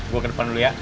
gue ke depan dulu ya